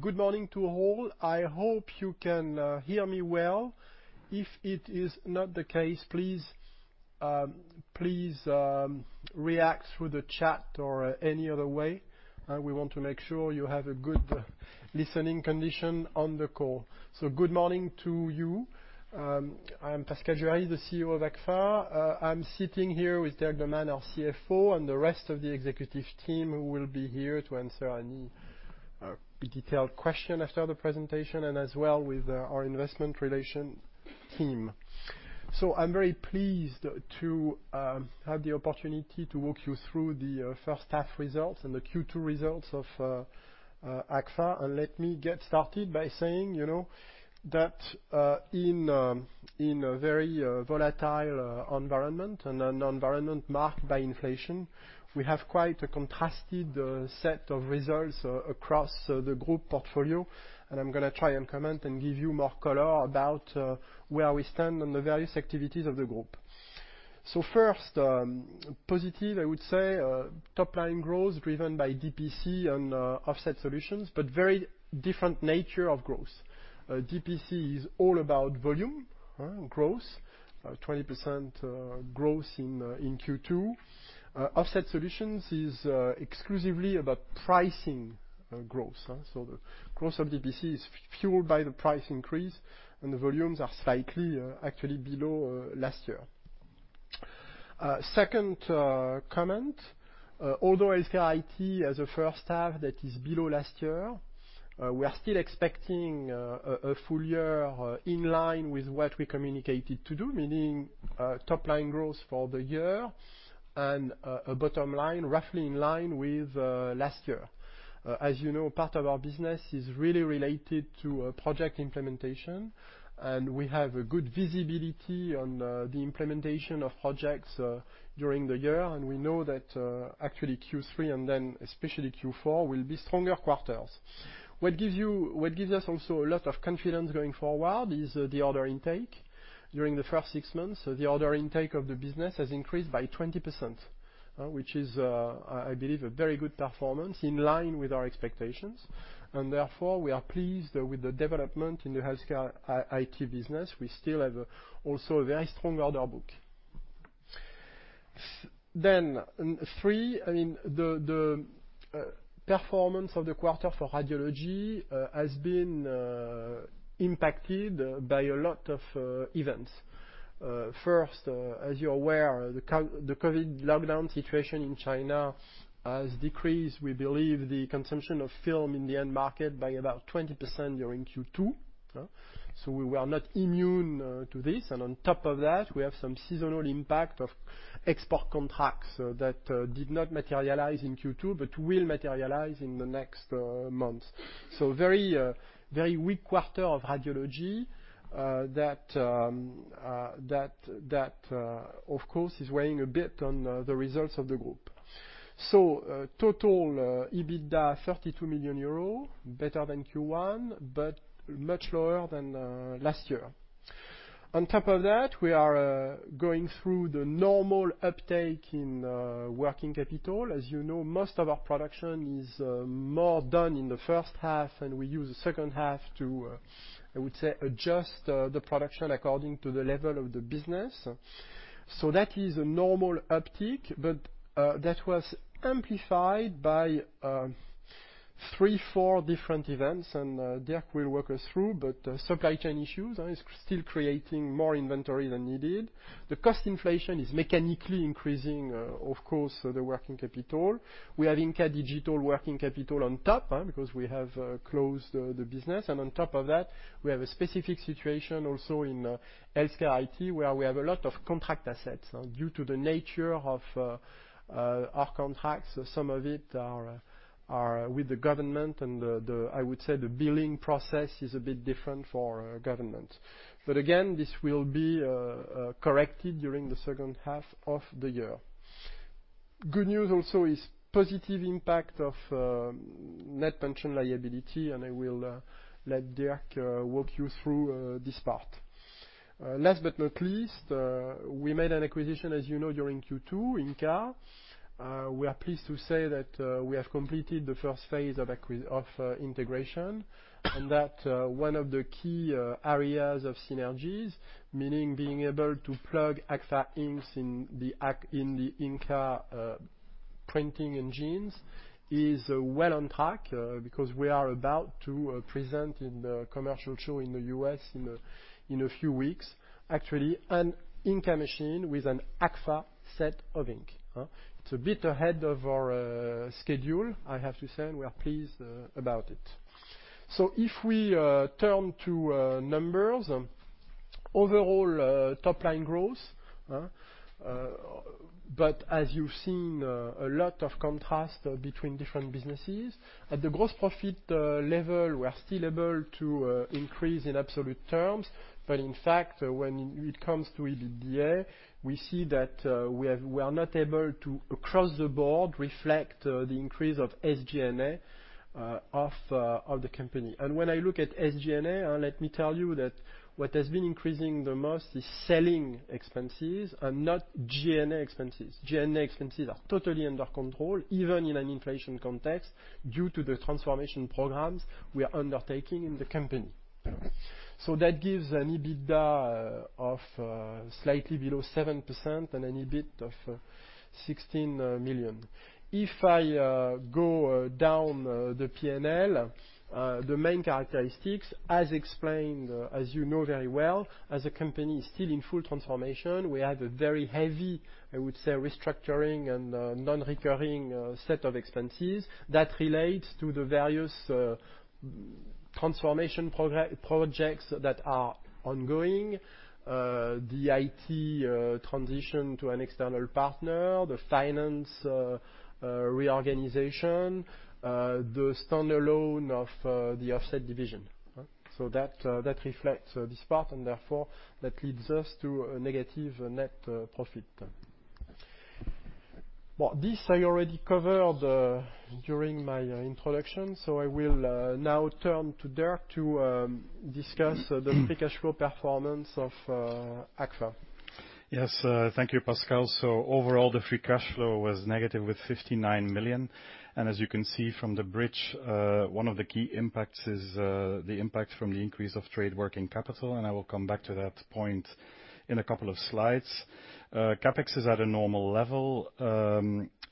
Good morning to all. I hope you can hear me well. If it is not the case, please react through the chat or any other way. We want to make sure you have a good listening condition on the call. Good morning to you. I'm Pascal Juéry, the CEO of Agfa. I'm sitting here with Dirk De Man, our CFO, and the rest of the executive team who will be here to answer any detailed question after the presentation and as well with our investor relations team. I'm very pleased to have the opportunity to walk you through the first half results and the Q2 results of Agfa. Let me get started by saying, you know, that in a very volatile environment and an environment marked by inflation, we have quite a contrasted set of results across the group portfolio. I'm gonna try and comment and give you more color about where we stand on the various activities of the group. First, positive, I would say, top-line growth driven by DPC and Offset Solutions, but very different nature of growth. DPC is all about volume growth, 20% growth in Q2. Offset Solutions is exclusively about pricing growth. The growth of DPC is fueled by the price increase, and the volumes are slightly actually below last year. Second comment, although HealthCare IT as a first half that is below last year, we are still expecting a full year in line with what we communicated to do, meaning top line growth for the year and a bottom line roughly in line with last year. As you know, part of our business is really related to project implementation, and we have a good visibility on the implementation of projects during the year. We know that actually Q3 and then especially Q4 will be stronger quarters. What gives us also a lot of confidence going forward is the order intake. During the first six months, the order intake of the business has increased by 20%, which is, I believe, a very good performance in line with our expectations. Therefore, we are pleased with the development in the HealthCare IT business. We still have also a very strong order book. The performance of the quarter for radiology has been impacted by a lot of events. First, as you're aware, the COVID lockdown situation in China has decreased, we believe, the consumption of film in the end market by about 20% during Q2. We were not immune to this. On top of that, we have some seasonal impact of export contracts that did not materialize in Q2, but will materialize in the next months. Very weak quarter of radiology that of course is weighing a bit on the results of the group. Total EBITDA 32 million euros, better than Q1, but much lower than last year. On top of that, we are going through the normal uptake in working capital. As you know, most of our production is more done in the first half, and we use the second half to I would say, adjust the production according to the level of the business. That is a normal uptick, but that was amplified by three, four different events, and Dirk will walk us through. Supply chain issues is still creating more inventory than needed. The cost inflation is mechanically increasing, of course, the working capital. We have Inca Digital working capital on top, because we have closed the business. On top of that, we have a specific situation also in HealthCare IT, where we have a lot of contract assets due to the nature of our contracts. Some of it are with the government, and I would say the billing process is a bit different for government. Again, this will be corrected during the second half of the year. Good news also is positive impact of net pension liability, and I will let Dirk walk you through this part. Last but not least, we made an acquisition, as you know, during Q2, Inca. We are pleased to say that we have completed the first phase of integration, and that one of the key areas of synergies, meaning being able to plug Agfa inks in the Inca printing engines, is well on track, because we are about to present in the commercial show in the US in a few weeks, actually an Inca machine with an Agfa set of ink. It's a bit ahead of our schedule, I have to say, and we are pleased about it. If we turn to numbers, overall top-line growth, but as you've seen, a lot of contrast between different businesses. At the gross profit level, we are still able to increase in absolute terms. In fact, when it comes to EBITDA, we see that we are not able to, across the board, reflect the increase of SG&A of the company. When I look at SG&A, let me tell you that what has been increasing the most is selling expenses and not G&A expenses. G&A expenses are totally under control, even in an inflation context, due to the transformation programs we are undertaking in the company. That gives an EBITDA of slightly below 7% and an EBIT of 16 million. If I go down the P&L, the main characteristics as explained as you know very well, as a company still in full transformation, we had a very heavy, I would say, restructuring and non-recurring set of expenses that relates to the various transformation projects that are ongoing. The IT transition to an external partner, the finance reorganization, the standalone of the offset division. That reflects this part, and therefore, that leads us to a negative net profit. Well, this I already covered during my introduction, so I will now turn to Dirk to discuss the free cash flow performance of Agfa-Gevaert. Yes, thank you, Pascal. Overall, the free cash flow was negative 59 million. As you can see from the bridge, one of the key impacts is the impact from the increase of trade working capital, and I will come back to that point in a couple of slides. CapEx is at a normal level,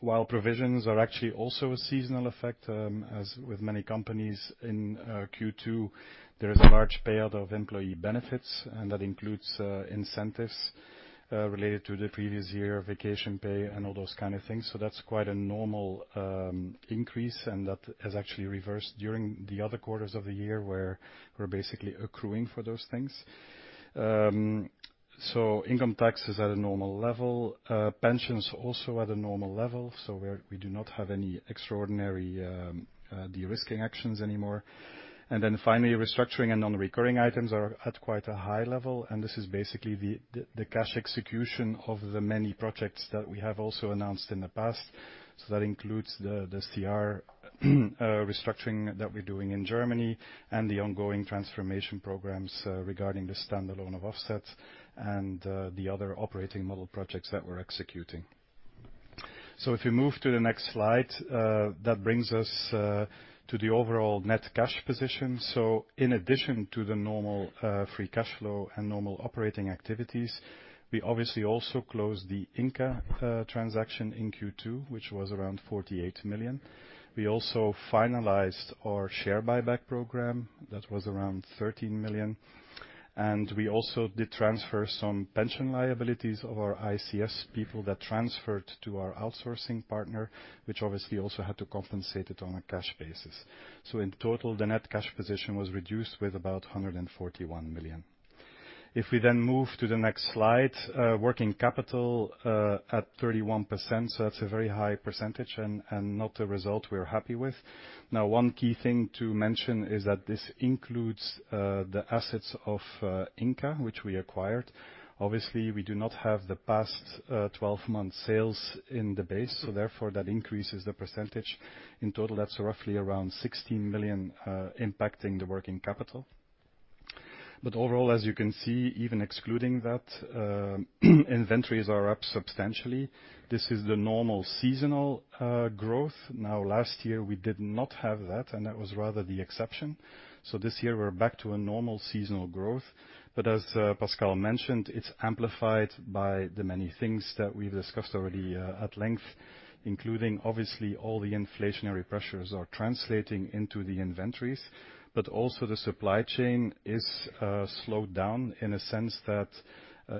while provisions are actually also a seasonal effect. As with many companies in Q2, there is a large payout of employee benefits, and that includes incentives related to the previous year, vacation pay and all those kind of things. That's quite a normal increase, and that has actually reversed during the other quarters of the year where we're basically accruing for those things. Income tax is at a normal level, pensions also at a normal level. We do not have any extraordinary de-risking actions anymore. Finally, restructuring and non-recurring items are at quite a high level, and this is basically the cash execution of the many projects that we have also announced in the past. That includes the CR restructuring that we're doing in Germany and the ongoing transformation programs regarding the standalone of Offset and the other operating model projects that we're executing. If we move to the next slide, that brings us to the overall net cash position. In addition to the normal free cash flow and normal operating activities, we obviously also closed the Inca transaction in Q2, which was around 48 million. We also finalized our share buyback program. That was around 13 million. We also did transfer some pension liabilities of our ICS people that transferred to our outsourcing partner, which obviously also had to compensate it on a cash basis. In total, the net cash position was reduced with about 141 million. If we then move to the next slide, working capital at 31%. That's a very high percentage and not a result we are happy with. Now, one key thing to mention is that this includes the assets of Inca, which we acquired. Obviously, we do not have the past 12-month sales in the base, so therefore, that increases the percentage. In total, that's roughly around 16 million impacting the working capital. Overall, as you can see, even excluding that, inventories are up substantially. This is the normal seasonal growth. Now, last year we did not have that, and that was rather the exception. This year we're back to a normal seasonal growth. As Pascal mentioned, it's amplified by the many things that we've discussed already at length, including obviously all the inflationary pressures are translating into the inventories. Also the supply chain is slowed down in a sense that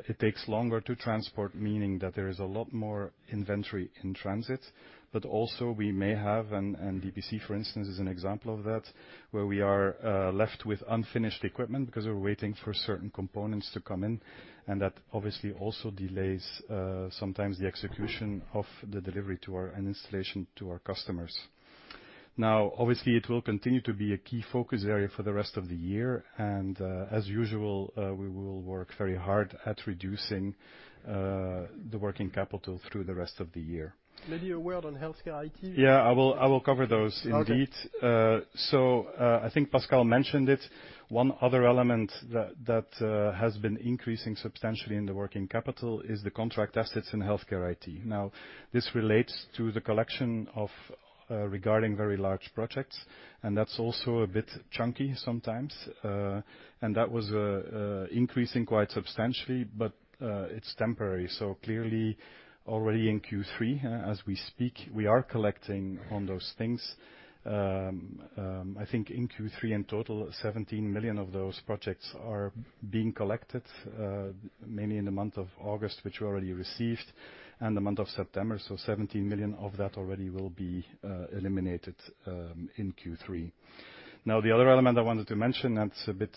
it takes longer to transport, meaning that there is a lot more inventory in transit. Also we may have, and DPC, for instance, is an example of that, where we are left with unfinished equipment because we're waiting for certain components to come in. That obviously also delays sometimes the execution of the delivery to our customers and installation to our customers. Now, obviously, it will continue to be a key focus area for the rest of the year. As usual, we will work very hard at reducing the working capital through the rest of the year. Maybe a word on HealthCare IT. Yeah, I will cover those indeed. Okay. I think Pascal mentioned it. One other element has been increasing substantially in the working capital is the contract assets in HealthCare IT. Now, this relates to the collection of regarding very large projects, and that's also a bit chunky sometimes. That was increasing quite substantially, but it's temporary. Clearly already in Q3, as we speak, we are collecting on those things. I think in Q3, in total, 17 million of those projects are being collected, mainly in the month of August, which we already received, and the month of September. 17 million of that already will be eliminated in Q3. Now, the other element I wanted to mention that's a bit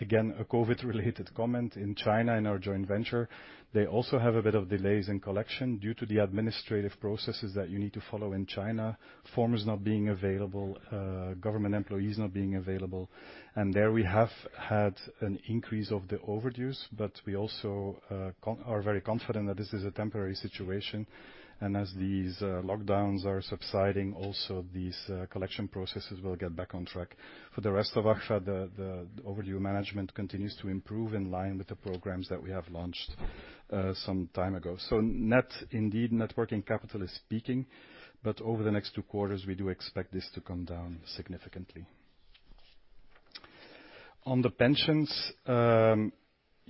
again, a COVID-related comment. In China, in our joint venture, they also have a bit of delays in collection due to the administrative processes that you need to follow in China. Forms not being available, government employees not being available. There we have had an increase of the overdues, but we also are very confident that this is a temporary situation. As these lockdowns are subsiding, also these collection processes will get back on track. For the rest of Agfa, the overdue management continues to improve in line with the programs that we have launched some time ago. Net, indeed, net working capital is peaking, but over the next two quarters, we do expect this to come down significantly. On the pensions,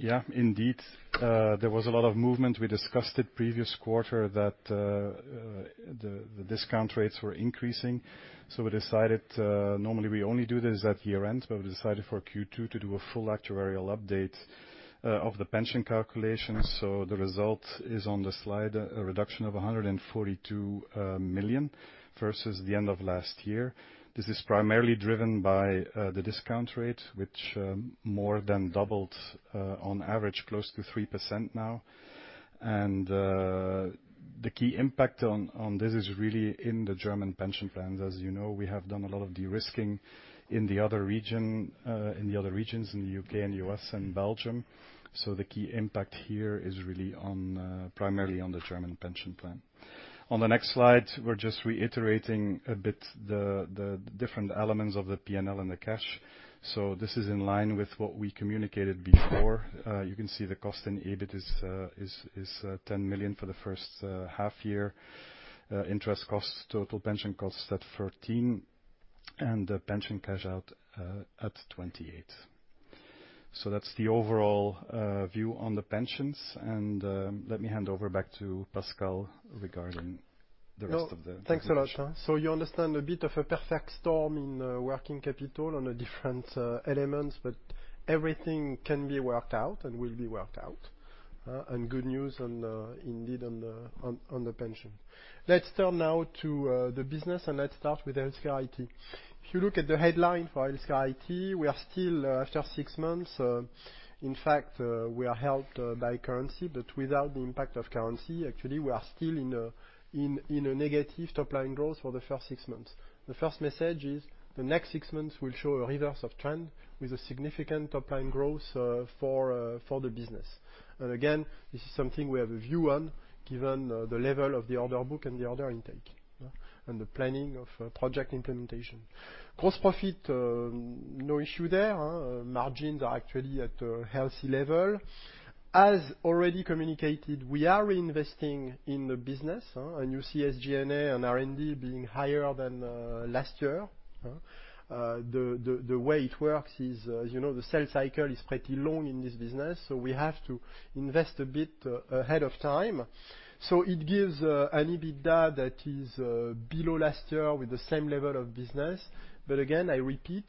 yeah, indeed, there was a lot of movement. We discussed it previous quarter that the discount rates were increasing. We decided, normally we only do this at year-end, but we decided for Q2 to do a full actuarial update of the pension calculations. The result is on the slide, a reduction of 142 million versus the end of last year. This is primarily driven by the discount rate, which more than doubled on average, close to 3% now. The key impact on this is really in the German pension plans. As you know, we have done a lot of de-risking in the other regions, in the UK and US and Belgium. The key impact here is really on primarily on the German pension plan. On the next slide, we're just reiterating a bit the different elements of the PNL and the cash. This is in line with what we communicated before. You can see the cost in EBIT is 10 million for the first half year. Interest costs, total pension costs at 13, and pension cash out at 28. That's the overall view on the pensions. Let me hand over back to Pascal regarding the rest of the. No. Thanks a lot, Dirk. You understand a bit of a perfect storm in working capital on the different elements, but everything can be worked out and will be worked out. Good news on the pension. Let's turn now to the business, and let's start with HealthCare IT. If you look at the headline for HealthCare IT, we are still after six months, in fact, we are helped by currency, but without the impact of currency, actually, we are still in a negative top-line growth for the first six months. The first message is the next six months will show a reverse of trend with a significant top-line growth for the business. Again, this is something we have a view on given the level of the order book and the order intake, and the planning of project implementation. Gross profit, no issue there, margins are actually at a healthy level. As already communicated, we are reinvesting in the business, and you see SG&A and R&D being higher than last year. The way it works is, as you know, the sales cycle is pretty long in this business, so we have to invest a bit ahead of time. It gives an EBITDA that is below last year with the same level of business. Again, I repeat,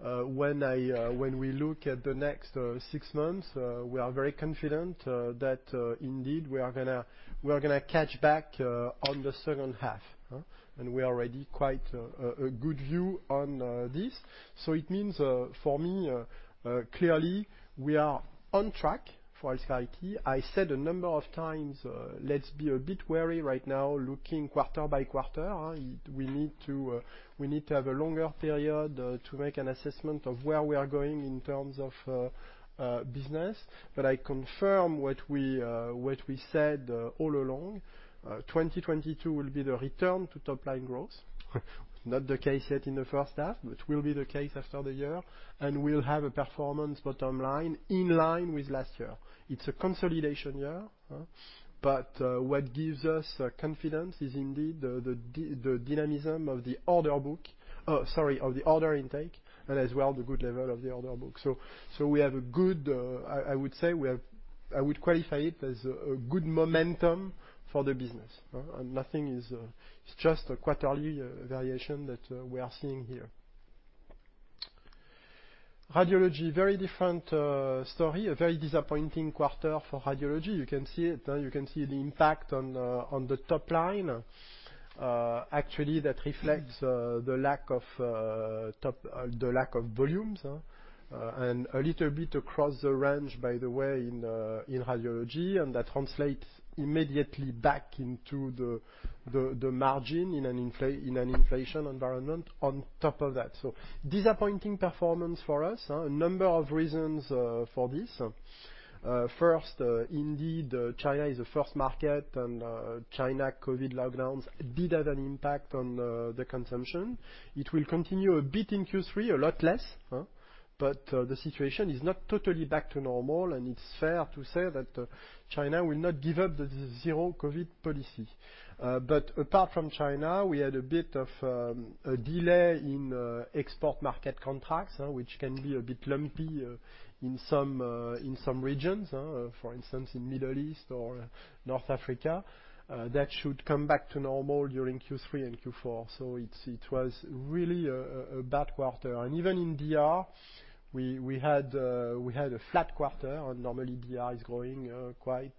when we look at the next six months, we are very confident that indeed we are gonna catch back on the second half, and we are already quite a good view on this. It means for me clearly we are on track for HealthCare IT. I said a number of times, let's be a bit wary right now, looking quarter by quarter, we need to have a longer period to make an assessment of where we are going in terms of business. I confirm what we said all along, 2022 will be the return to top-line growth. It's not the case yet in the first half, but will be the case after the year, and we'll have a performance bottom line in line with last year. It's a consolidation year, but what gives us confidence is indeed the dynamism of the order intake, and as well, the good level of the order book. I would qualify it as a good momentum for the business, and nothing is, it's just a quarterly variation that we are seeing here. Radiology, very different story, a very disappointing quarter for Radiology. You can see it, you can see the impact on the top line. Actually, that reflects the lack of volumes and a little bit across the range, by the way, in Radiology, and that translates immediately back into the margin in an inflation environment on top of that. Disappointing performance for us, a number of reasons for this. First, indeed, China is the first market, and China COVID lockdowns did have an impact on the consumption. It will continue a bit in Q3, a lot less, but the situation is not totally back to normal, and it's fair to say that China will not give up the zero-COVID policy. Apart from China, we had a bit of a delay in export market contracts, which can be a bit lumpy in some regions, for instance, in Middle East or North Africa. That should come back to normal during Q3 and Q4. It was really a bad quarter. Even in DR, we had a flat quarter. Normally, DR is growing quite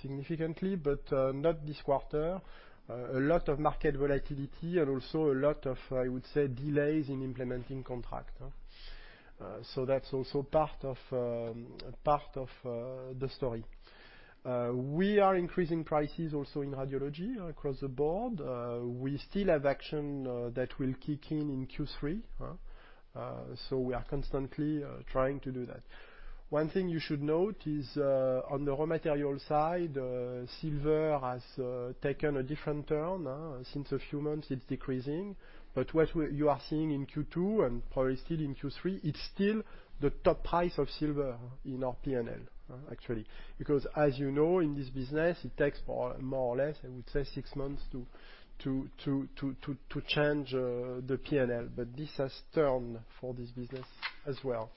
significantly, but not this quarter. A lot of market volatility and also a lot of, I would say, delays in implementing contracts. That's also part of the story. We are increasing prices also in Radiology across the board. We still have action that will kick in in Q3, so we are constantly trying to do that. One thing you should note is, on the raw material side, silver has taken a different turn since a few months, it's decreasing. You are seeing in Q2 and probably still in Q3, it's still the top price of silver in our P&L, actually. Because as you know, in this business, it takes more or less, I would say, six months to change the P&L. This has turned for this business as well.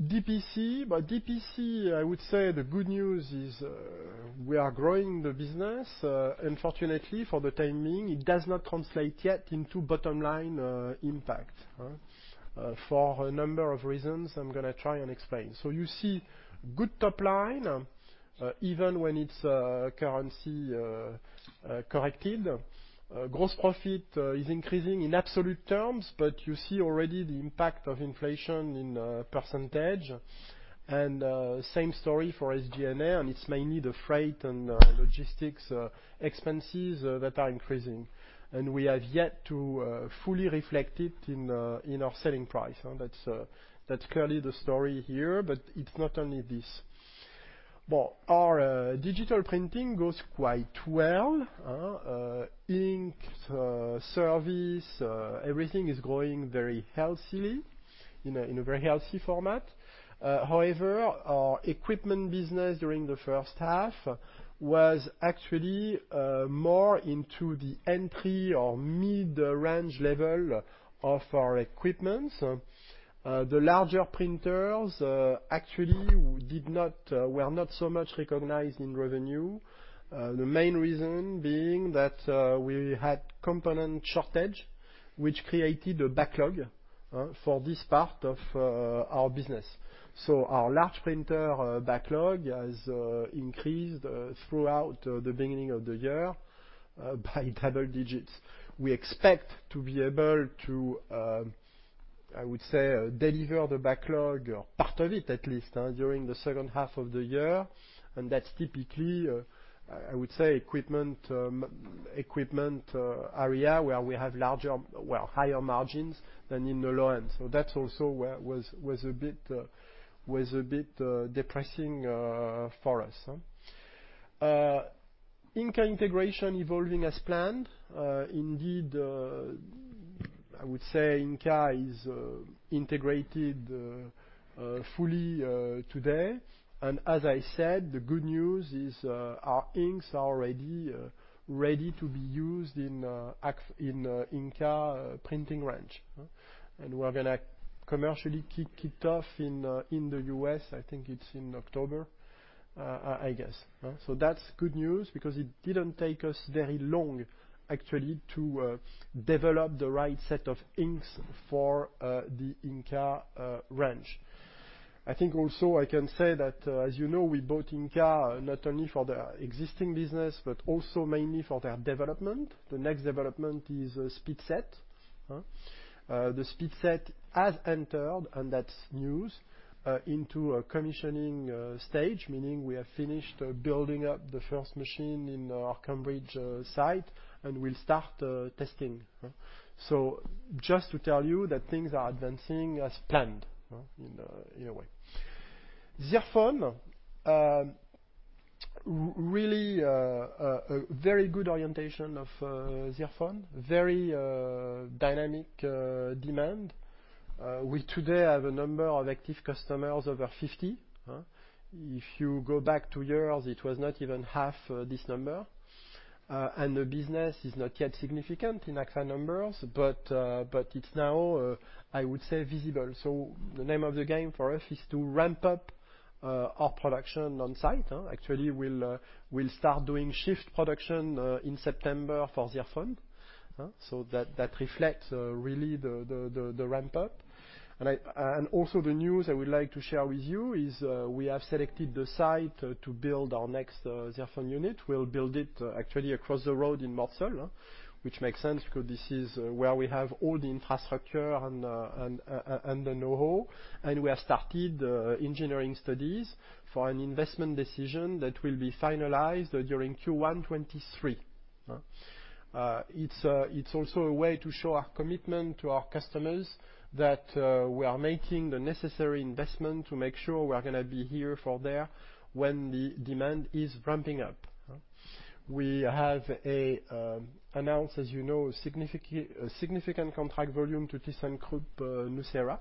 DPC. DPC, I would say the good news is, we are growing the business. Unfortunately for the time being, it does not translate yet into bottom line impact? For a number of reasons I'm gonna try and explain. You see good top line, even when it's currency corrected. Gross profit is increasing in absolute terms, but you see already the impact of inflation in percentage. Same story for SG&A, and it's mainly the freight and logistics expenses that are increasing. We have yet to fully reflect it in our selling price. That's clearly the story here, but it's not only this. Our digital printing goes quite well. Inks, service, everything is growing very healthily in a very healthy format. However, our equipment business during the first half was actually more into the entry or mid-range level of our equipment. The larger printers actually were not so much recognized in revenue. The main reason being that we had component shortage, which created a backlog for this part of our business. Our large printer backlog has increased throughout the beginning of the year by double digits. We expect to be able to, I would say, deliver the backlog, or part of it at least, during the second half of the year. That's typically, I would say equipment area where we have larger, well, higher margins than in the low-end. That's also where was a bit depressing for us. Inca integration evolving as planned. Indeed, I would say Inca is integrated fully today. As I said, the good news is, our inks are ready to be used in Inca printing range. We're gonna commercially kick it off in the US, I think it's in October, I guess. That's good news because it didn't take us very long actually to develop the right set of inks for the Inca range. I think also I can say that, as you know, we bought Inca not only for the existing business, but also mainly for their development. The next development is SpeedSet. The SpeedSet has entered into a commissioning stage, and that's news, meaning we have finished building up the first machine in our Cambridge site, and we'll start testing. Just to tell you that things are advancing as planned, in a way. ZIRFON really a very good orientation of ZIRFON. Very dynamic demand. We today have a number of active customers over 50. If you go back two years, it was not even half this number. And the business is not yet significant in actual numbers, but it's now, I would say, visible. The name of the game for us is to ramp up our production on-site. Actually, we'll start doing shift production in September for ZIRFON. So that reflects really the ramp up. Also the news I would like to share with you is, we have selected the site to build our next ZIRFON unit. We'll build it actually across the road in Mortsel, which makes sense because this is where we have all the infrastructure and the know-how, and we have started engineering studies for an investment decision that will be finalized during Q1 2023. It's also a way to show our commitment to our customers that we are making the necessary investment to make sure we are gonna be here for the when the demand is ramping up. We have announced, as you know, a significant contract volume to thyssenkrupp nucera.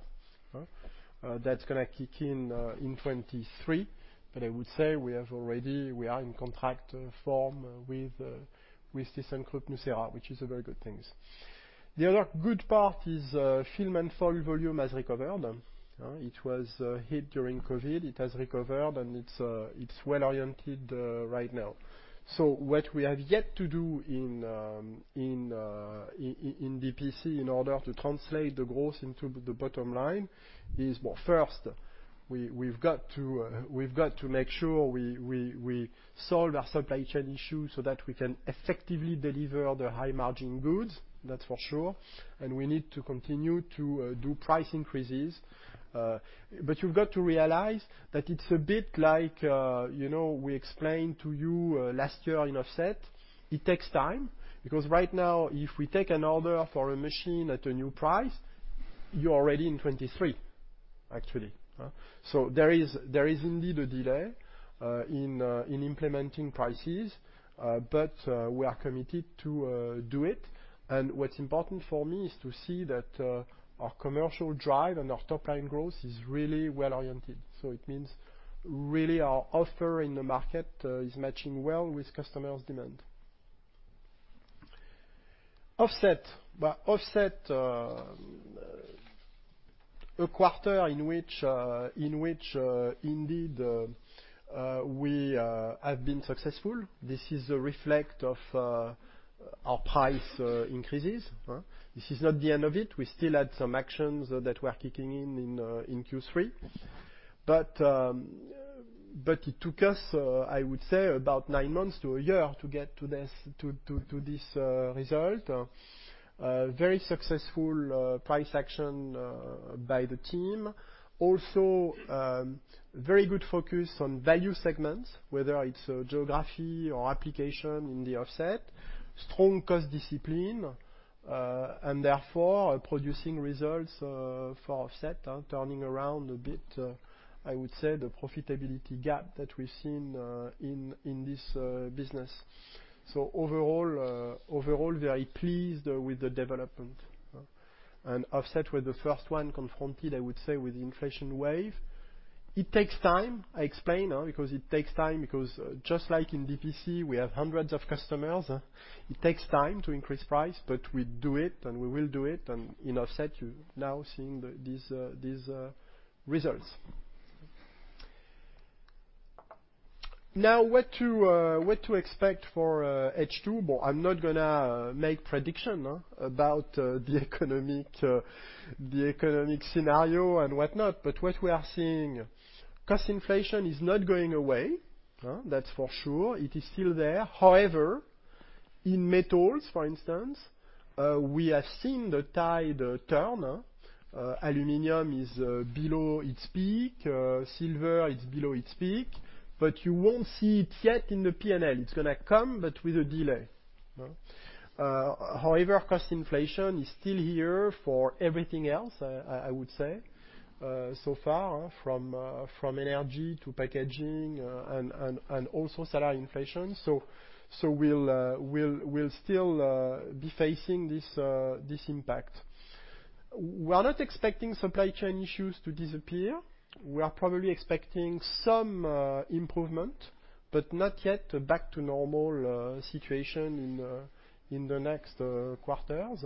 That's gonna kick in in 2023. I would say we are in contract form with thyssenkrupp nucera, which is a very good things. The other good part is film and foil volume has recovered. It was hit during COVID, it has recovered and it's well-oriented right now. What we have yet to do in DPC in order to translate the growth into the bottom line is, well, first we've got to make sure we solve our supply chain issues so that we can effectively deliver the high-margin goods, that's for sure. We need to continue to do price increases. You've got to realize that it's a bit like, you know, we explained to you last year in Offset, it takes time. Because right now, if we take an order for a machine at a new price, you're already in 2023, actually. There is indeed a delay in implementing prices, but we are committed to do it. What's important for me is to see that our commercial drive and our top line growth is really well-oriented. It means really our offer in the market is matching well with customers' demand in Offset. In Offset, a quarter in which indeed we have been successful. This is a reflection of our price increases. This is not the end of it. We still had some actions that were kicking in in Q3. It took us I would say about nine months to a year to get to this result. Very successful price action by the team. Also, very good focus on value segments, whether it's geography or application in the Offset. Strong cost discipline, and therefore producing results for Offset, turning around a bit, I would say the profitability gap that we've seen in this business. Overall very pleased with the development. Offset was the first one confronted, I would say, with the inflation wave. It takes time, I explain, because it takes time because just like in DPC, we have hundreds of customers. It takes time to increase price, but we do it, and we will do it. In Offset, you're now seeing the these results. Now what to expect for H2? Well, I'm not gonna make prediction about the economic scenario and whatnot. What we are seeing, cost inflation is not going away, huh? That's for sure. It is still there. However, in metals, for instance, we are seeing the tide turn. Aluminum is below its peak. Silver is below its peak. You won't see it yet in the P&L. It's gonna come, but with a delay. However, cost inflation is still here for everything else, I would say. So far from energy to packaging, and also salary inflation. We'll still be facing this impact. We are not expecting supply chain issues to disappear. We are probably expecting some improvement, but not yet back to normal situation in the next quarters.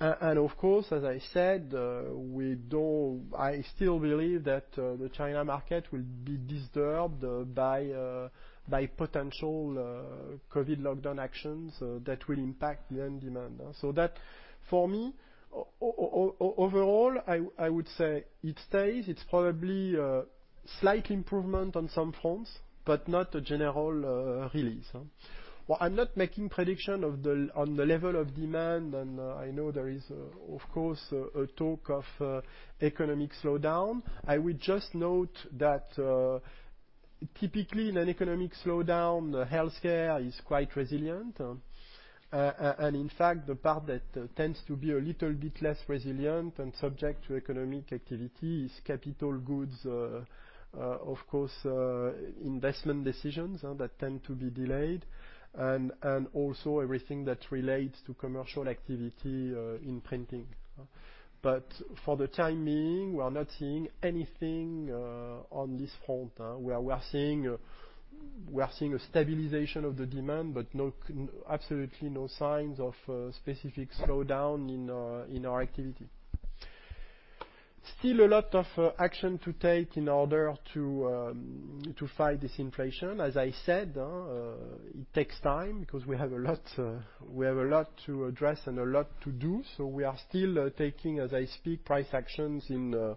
Of course, as I said, I still believe that the China market will be disturbed by potential COVID lockdown actions that will impact the end demand. That for me, overall, I would say it stays. It's probably slight improvement on some fronts, but not a general release. Well, I'm not making prediction on the level of demand, and I know there is, of course, a talk of economic slowdown. I would just note that typically in an economic slowdown, healthcare is quite resilient. In fact, the part that tends to be a little bit less resilient and subject to economic activity is capital goods, of course, investment decisions that tend to be delayed, and also everything that relates to commercial activity in printing. For the time being, we are not seeing anything on this front. We are seeing a stabilization of the demand, but no, absolutely no signs of a specific slowdown in our activity. Still a lot of action to take in order to fight this inflation. As I said, it takes time because we have a lot to address and a lot to do. We are still taking, as I speak, price actions in,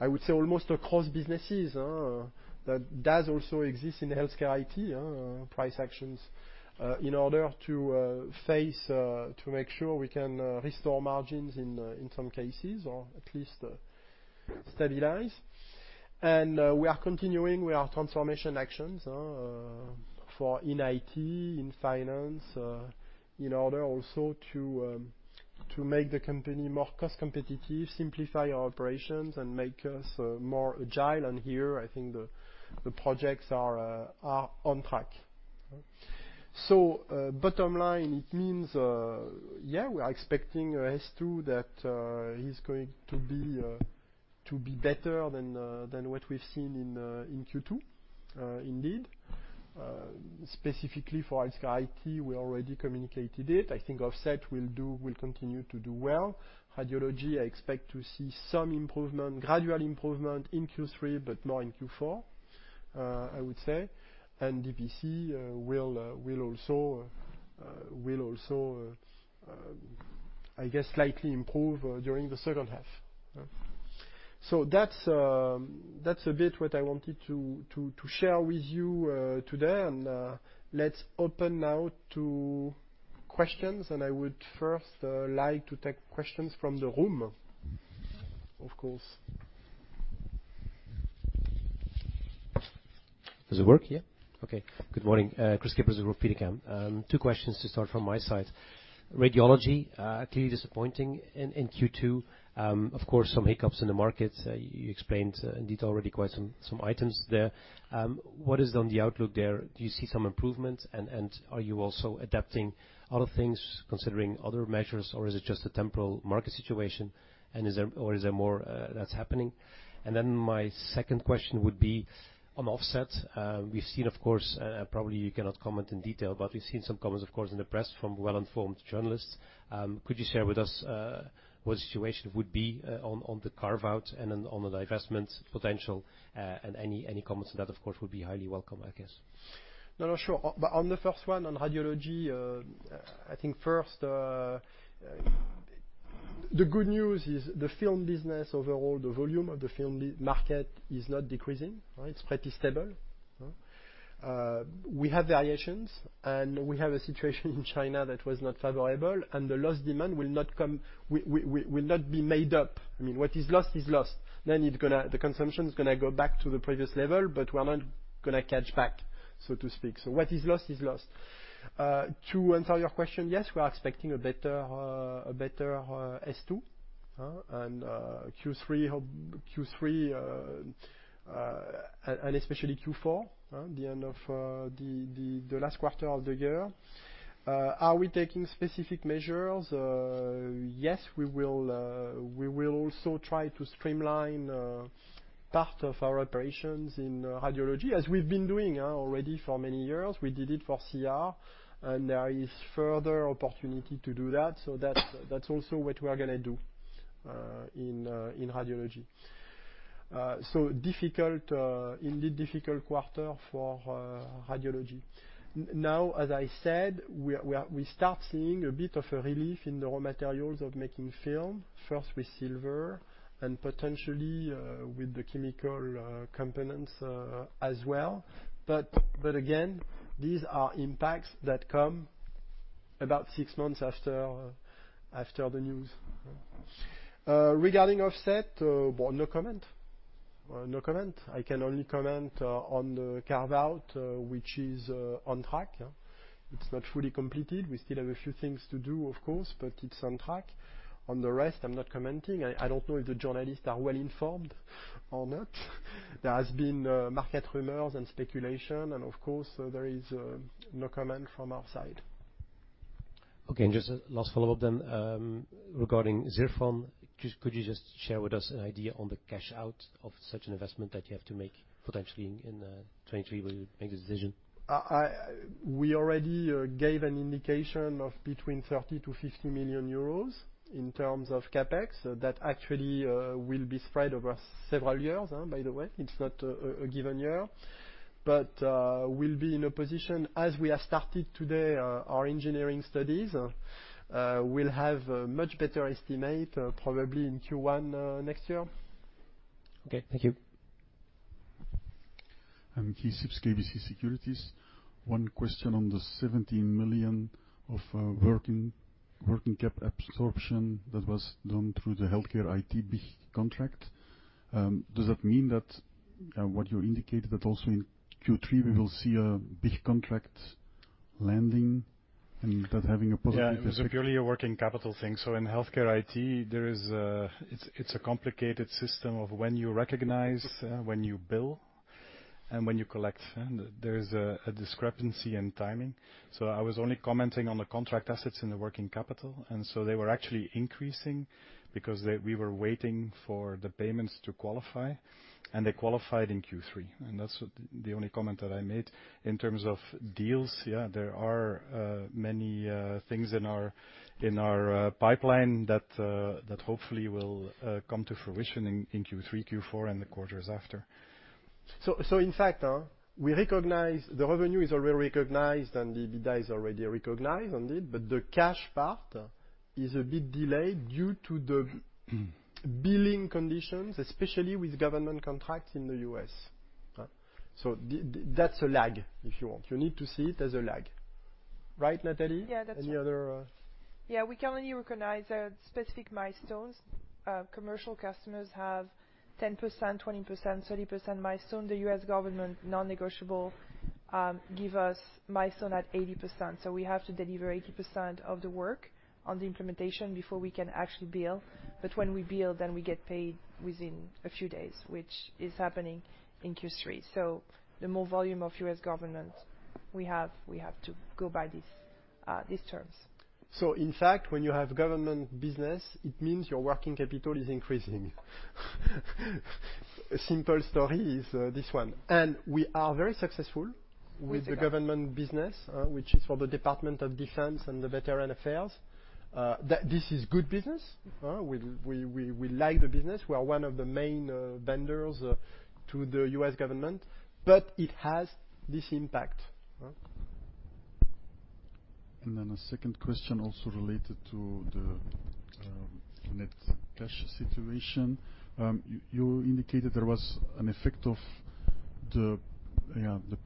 I would say, almost across businesses, that does also exist in HealthCare IT, price actions in order to face to make sure we can restore margins in some cases or at least stabilize. We are continuing with our transformation actions in IT, in finance, in order also to make the company more cost competitive, simplify our operations and make us more agile. Here, I think the projects are on track. Bottom line, it means yeah, we are expecting H2 that is going to be better than what we've seen in Q2, indeed. Specifically for IT, we already communicated it. I think Offset will continue to do well. Radiology, I expect to see some improvement, gradual improvement in Q3, but more in Q4, I would say. DPC will also, I guess, slightly improve during the second half. That's a bit what I wanted to share with you today. Let's open now to questions. I would first like to take questions from the room, of course. Does it work? Yeah. Okay. Good morning, Kris Kippers of Degroof Petercam. Two questions to start from my side. Radiology clearly disappointing in Q2. Of course, some hiccups in the markets. You explained indeed already quite some items there. What is on the outlook there? Do you see some improvement? Are you also adapting other things, considering other measures, or is it just a temporary market situation? Is there more that's happening? My second question would be on Offset. We've seen, of course, probably you cannot comment in detail, but we've seen some comments, of course, in the press from well-informed journalists. Could you share with us what the situation would be on the carve-out and on the divestment potential? Any comments on that, of course, would be highly welcome, I guess. No, no, sure. On the first one, on radiology, I think the good news is the film business overall, the volume of the film market is not decreasing, right? It's pretty stable. We have variations, and we have a situation in China that was not favorable, and the lost demand will not come. We will not make it up. I mean, what is lost is lost. The consumption is gonna go back to the previous level, but we're not gonna catch up, so to speak. What is lost is lost. To answer your question, yes, we are expecting a better H2 and Q3, hopefully Q4, the end of the last quarter of the year. Are we taking specific measures? Yes, we will also try to streamline part of our operations in radiology, as we've been doing already for many years. We did it for CR, and there is further opportunity to do that. That's also what we are gonna do in radiology. Difficult, indeed difficult quarter for radiology. Now, as I said, we start seeing a bit of a relief in the raw materials of making film, first with silver and potentially with the chemical components as well. But again, these are impacts that come about six months after the news. Regarding Offset, well, no comment. No comment. I can only comment on the carve-out, which is on track. It's not fully completed. We still have a few things to do, of course, but it's on track. On the rest, I'm not commenting. I don't know if the journalists are well-informed or not. There has been market rumors and speculation and of course, there is no comment from our side. Just a last follow-up, regarding ZIRFON. Could you just share with us an idea on the cash outflow of such an investment that you have to make potentially in 2023 when you make a decision? We already gave an indication of between 30 million-50 million euros in terms of CapEx. That actually will be spread over several years, by the way. It's not a given year. We'll be in a position, as we have started today, our engineering studies, we'll have a much better estimate probably in Q1 next year. Okay, thank you. I'm Guy Sips, KBC Securities. One question on the 70 million of working cap absorption that was done through the HealthCare IT big contract. Does that mean that what you indicated, that also in Q3 we will see a big contract landing and that having a positive effect? Yeah, it was purely a working capital thing. In HealthCare IT, there is a complicated system of when you recognize, when you bill and when you collect. There is a discrepancy in timing. I was only commenting on the contract assets in the working capital. They were actually increasing because we were waiting for the payments to qualify, and they qualified in Q3. That's the only comment that I made. In terms of deals, yeah, there are many things in our pipeline that hopefully will come to fruition in Q3, Q4, and the quarters after. In fact, we recognize the revenue is already recognized and the EBITDA is already recognized on it, but the cash part is a bit delayed due to the billing conditions, especially with government contracts in the U.S. That's a lag, if you want. You need to see it as a lag. Right, Nathalie? Yeah, that's right. Any other. Yeah, we can only recognize specific milestones. Commercial customers have 10%, 20%, 30% milestone. The US government non-negotiable give us milestone at 80%. We have to deliver 80% of the work on the implementation before we can actually bill. When we bill, then we get paid within a few days, which is happening in Q3. The more volume of US government we have, we have to go by these terms. In fact, when you have government business, it means your working capital is increasing. A simple story is, this one. We are very successful. With the go- With the government business, which is for the Department of Defense and the Department of Veterans Affairs. This is good business, huh? We like the business. We are one of the main vendors to the U.S. government, but it has this impact, huh? A second question also related to the net cash situation. You indicated there was an effect of the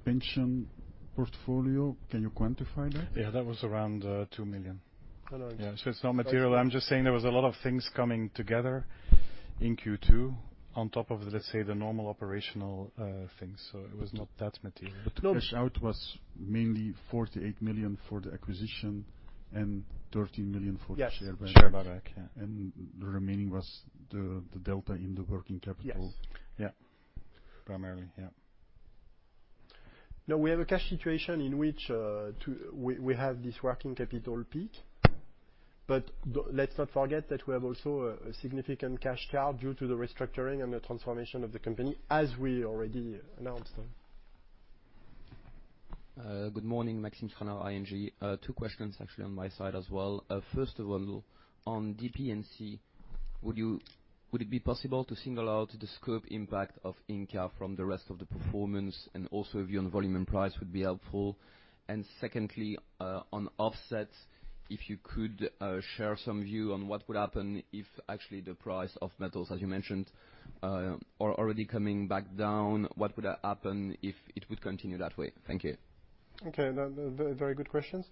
pension portfolio. Can you quantify that? Yeah, that was around 2 million. Oh, no. Yeah. It's not material. I'm just saying there was a lot of things coming together in Q2 on top of, let's say, the normal operational things. It was not that material. No- The cash out was mainly 48 million for the acquisition and 13 million for the share buyback. Yes, share buyback, yeah. The remaining was the delta in the working capital. Yes. Yeah. Primarily, yeah. Now we have a cash situation in which we have this working capital peak, but let's not forget that we have also a significant cash cow due to the restructuring and the transformation of the company as we already announced. Good morning. Maxime Stranart, ING. Two questions actually on my side as well. First of all, on DPC Would it be possible to single out the scope impact of Inca from the rest of the performance? A view on volume and price would be helpful. On offsets, if you could share some view on what would happen if actually the price of metals, as you mentioned, are already coming back down, what would happen if it would continue that way? Thank you. Okay. Very, very good questions.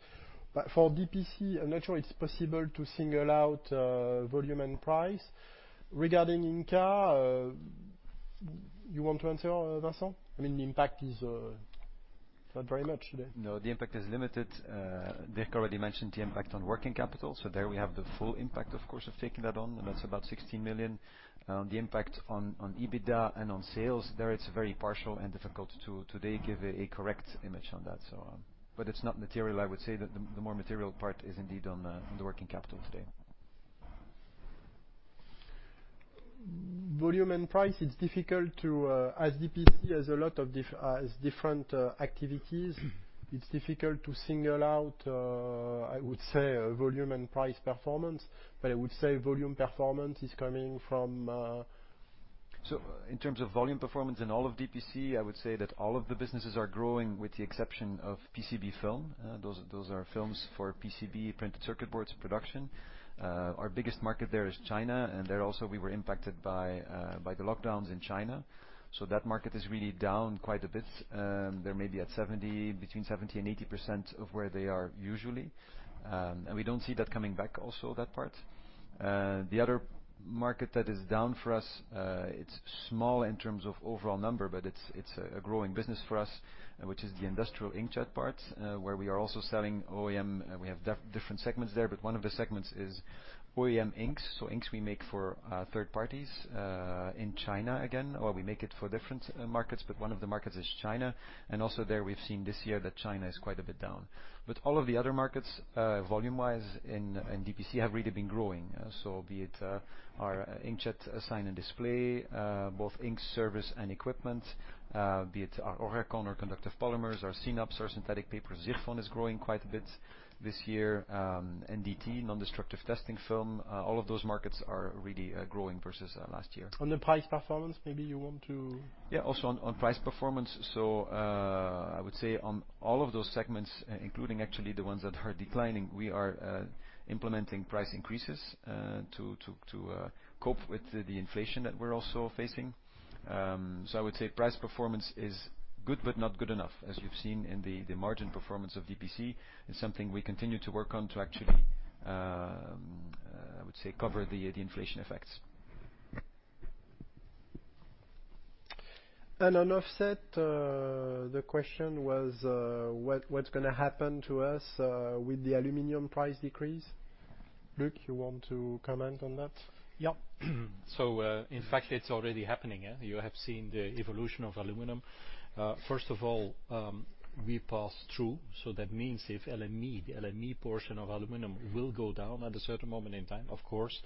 For DPC, I'm not sure it's possible to single out volume and price. Regarding Inca, you want to answer, Vincent? I mean, the impact is not very much today. No, the impact is limited. Dirk already mentioned the impact on working capital. There we have the full impact, of course, of taking that on, and that's about 16 million. The impact on EBITDA and on sales, there it's very partial and difficult to today give a correct image on that, so on. It's not material. I would say that the more material part is indeed on the working capital today. Volume and price, it's difficult to. As DPC has a lot of different activities, it's difficult to single out. I would say a volume and price performance, but I would say volume performance is coming from. In terms of volume performance in all of DPC, I would say that all of the businesses are growing with the exception of PCB film. Those are films for PCB, printed circuit boards production. Our biggest market there is China, and there also we were impacted by the lockdowns in China. That market is really down quite a bit. They may be at 70, between 70% and 80% of where they are usually. We don't see that coming back also, that part. The other market that is down for us, it's small in terms of overall number, but it's a growing business for us, which is the industrial inkjet part, where we are also selling OEM. We have different segments there, but one of the segments is OEM inks. Inks we make for third parties in China again, or we make it for different markets, but one of the markets is China. Also there we've seen this year that China is quite a bit down. All of the other markets volume-wise in DPC have really been growing. Be it our inkjet sign and display both ink service and equipment, be it our ORGACON, our conductive polymers, our SYNAPS, our synthetic paper. ZIRFON is growing quite a bit this year, NDT, non-destructive testing film. All of those markets are really growing versus last year. On the price performance, maybe you want to. Yeah, also on price performance. I would say on all of those segments, including actually the ones that are declining, we are implementing price increases to cope with the inflation that we're also facing. I would say price performance is good, but not good enough, as you've seen in the margin performance of DPC. It's something we continue to work on to actually cover the inflation effects. On offset, the question was, what's gonna happen to us with the aluminum price decrease? Luc, you want to comment on that? Yeah. In fact, it's already happening. You have seen the evolution of aluminum. First of all, we pass through, so that means if LME, the LME portion of aluminum will go down at a certain moment in time, of course,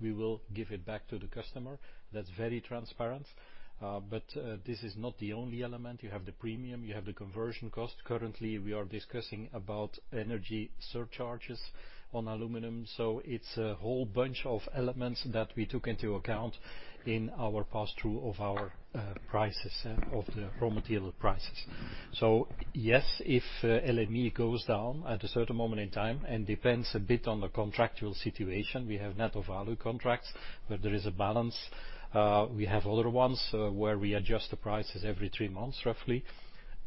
we will give it back to the customer. That's very transparent. But this is not the only element. You have the premium, you have the conversion cost. Currently, we are discussing about energy surcharges on aluminum. It's a whole bunch of elements that we took into account in our pass-through of our prices of the raw material prices. Yes, if LME goes down at a certain moment in time and depends a bit on the contractual situation, we have net of value contracts where there is a balance. We have other ones, where we adjust the prices every three months, roughly.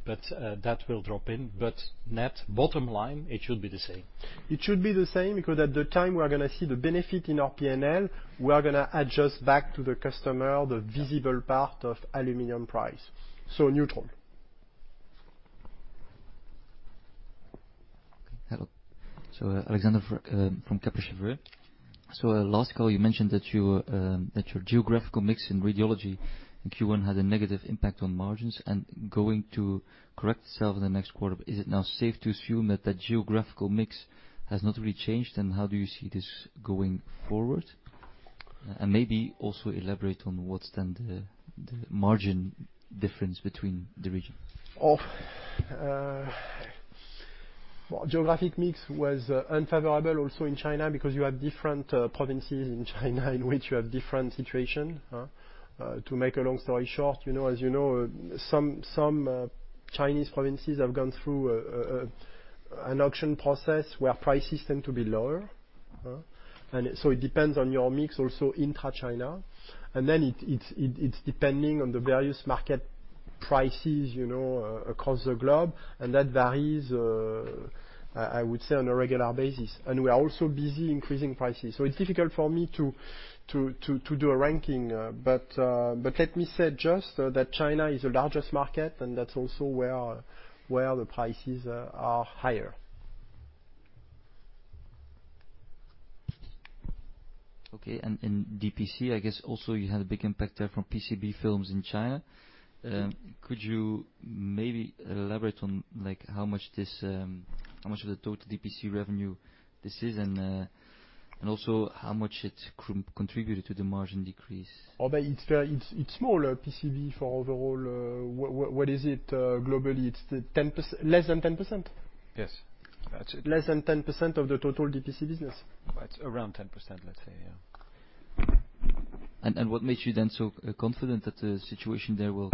That will drop in, but net bottom line, it should be the same. It should be the same because at the time we are gonna see the benefit in our P&L, we are gonna adjust back to the customer the visible part of aluminum price. Neutral. Hello. Alexander Craeymeersch from Kepler Cheuvreux. Last call you mentioned that your geographical mix in radiology in Q1 had a negative impact on margins and going to correct itself in the next quarter. Is it now safe to assume that the geographical mix has not really changed, and how do you see this going forward? Maybe also elaborate on what's then the margin difference between the regions. Geographic mix was unfavorable also in China because you have different provinces in China in which you have different situation. To make a long story short, you know, as you know, some Chinese provinces have gone through an auction process where prices tend to be lower. It depends on your mix also intra China. It's depending on the various market prices, you know, across the globe, and that varies, I would say, on a regular basis. We are also busy increasing prices. It's difficult for me to do a ranking. Let me say just that China is the largest market, and that's also where the prices are higher. In DPC, I guess also you had a big impact there from PCB films in China. Could you maybe elaborate on like how much this, how much of the total DPC revenue this is and also how much it contributed to the margin decrease? Although it's very small PCB for overall. What is it globally? It's 10%, less than 10%? Yes. That's less than 10% of the total DPC business. Right. Around 10%, let's say. Yeah. What makes you then so confident that the situation there will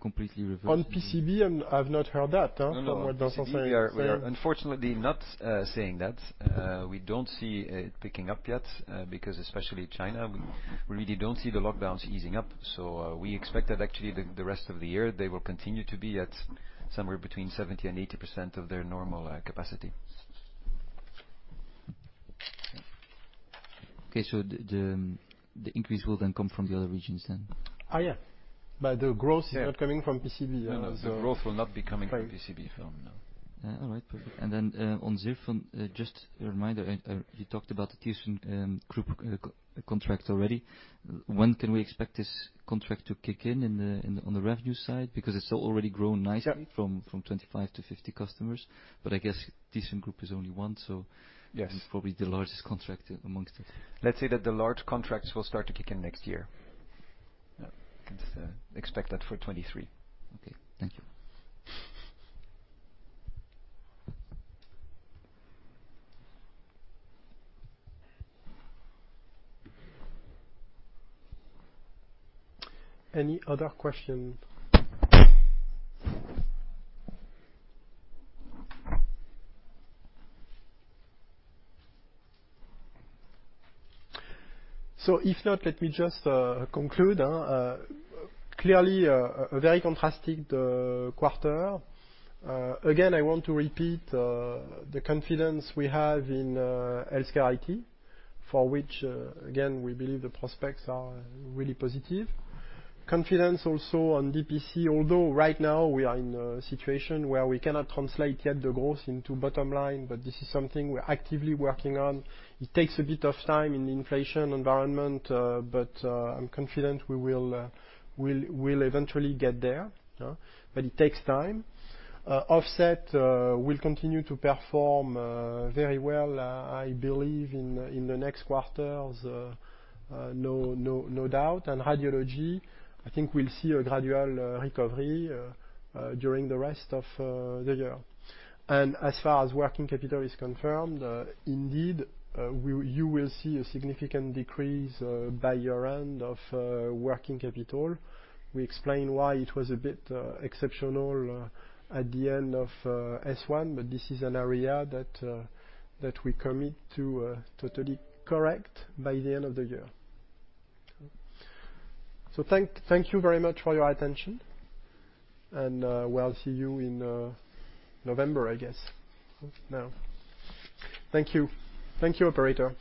be completely reversed? On PCB, I've not heard that. No, no. From what Vincent is saying. We are unfortunately not saying that. We don't see it picking up yet because especially China, we really don't see the lockdowns easing up. We expect that actually the rest of the year they will continue to be at somewhere between 70% and 80% of their normal capacity. Okay. The increase will then come from the other regions then? Yeah. The growth- Yeah. Is not coming from PCB. No, no. The growth will not be coming from PCB film, no. Yeah. All right, perfect. Then, on ZIRFON, just a reminder, you talked about the thyssenkrupp nucera contract already. When can we expect this contract to kick in, on the revenue side? Because it's already grown nicely. Yeah. From 25-50 customers. I guess thyssenkrupp nucera is only one, so. Yes. This is probably the largest contract among it. Let's say that the large contracts will start to kick in next year. Yeah. You can expect that for 2023. Okay, thank you. Any other question? If not, let me just conclude. Clearly, a very contrasting quarter. Again, I want to repeat the confidence we have in Healthcare IT, for which again we believe the prospects are really positive. Confidence also on DPC, although right now we are in a situation where we cannot translate yet the growth into bottom line, but this is something we're actively working on. It takes a bit of time in the inflation environment, but I'm confident we will we'll eventually get there. But it takes time. Offset will continue to perform very well, I believe in the next quarters, no doubt. Radiology, I think we'll see a gradual recovery during the rest of the year. As far as working capital is confirmed, indeed, you will see a significant decrease by year-end of working capital. We explained why it was a bit exceptional at the end of H1, but this is an area that we commit to totally correct by the end of the year. Thank you very much for your attention, and we'll see you in November, I guess. No. Thank you. Thank you, operator.